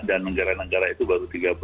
dan negara negara itu baru tiga belas